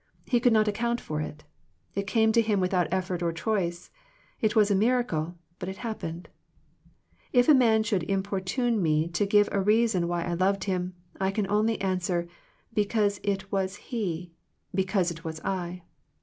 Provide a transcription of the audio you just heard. He could not account for it. It came to him without effort or choice. It was a miracle, but it happened. If a man should importune me to give a reason why 1 loved him, 1 can only answer, because it was he, be cause it was I."